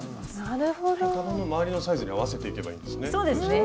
頭の回りのサイズに合わせていけばいいんですね。